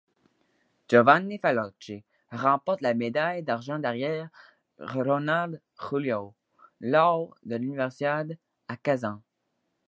Giovanni Faloci remporte la médaille d'argent derrière Ronald Julião lors de l'Universiade à Kazan.